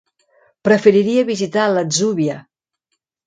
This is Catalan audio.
Preferiria visitar l'Atzúbia.